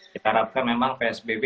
kita harapkan memang psbb